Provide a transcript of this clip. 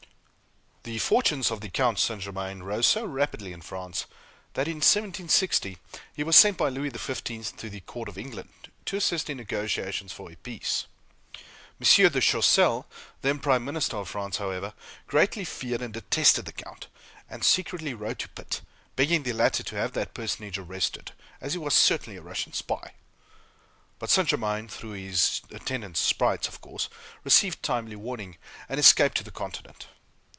The fortunes of the Count St. Germain rose so rapidly in France, that in 1760 he was sent by Louis XV, to the Court of England, to assist in negotiations for a peace. M. de Choiseul, then Prime Minister of France, however, greatly feared and detested the Count; and secretly wrote to Pitt, begging the latter to have that personage arrested, as he was certainly a Russian spy. But St. Germain, through his attendant sprites, of course, received timely warning, and escaped to the Continent.